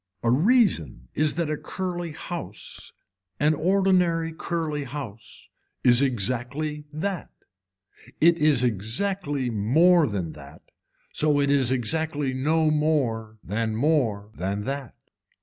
A reason is that a curly house an ordinary curly house is exactly that, it is exactly more than that, it is so exactly no more than more than that.